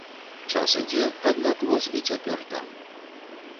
Час ідзе, аднак воз і цяпер там.